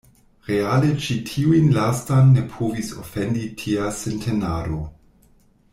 Reale ĉi tiun lastan ne povis ofendi tia sintenado.